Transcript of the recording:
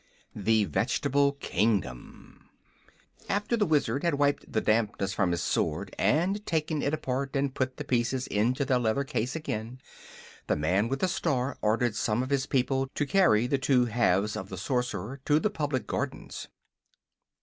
THE VEGETABLE KINGDOM After the Wizard had wiped the dampness from his sword and taken it apart and put the pieces into their leathern case again, the man with the star ordered some of his people to carry the two halves of the Sorcerer to the public gardens.